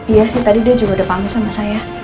iya sih tadi dia juga udah panggil sama saya